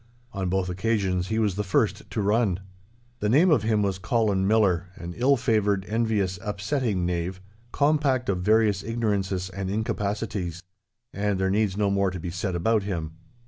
On both occasions he was the first to run. The name of him was Colin Millar, an ill favoured, envious, upsetting knave, compact of various ignorances and incapacities. And there needs no more to be said about him.